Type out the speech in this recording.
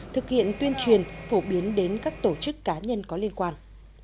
thực hiện tuyên truyền phổ biến đến các tổ chức cá nhân có liên quan